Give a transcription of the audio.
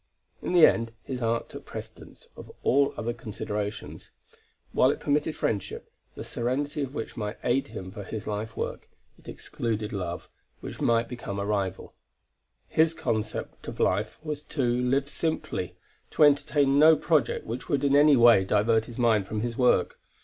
In the end, his art took precedence of all other considerations; while it permitted friendship, the serenity of which might aid him in his life work, it excluded love, which might become a rival. His concept of life was to live simply, to entertain no project which would in any way divert his mind from his work.